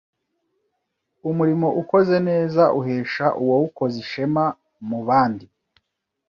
umurimo ukoze neza uhesha uwawukoze ishema mu bandi